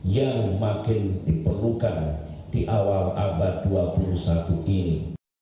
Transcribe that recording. yang makin diperlukan di awal abad dua puluh satu ini